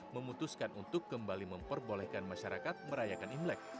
memutuskan untuk kembali memperbolehkan masyarakat merayakan imlek